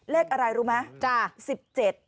เลขอะไรรู้ไหม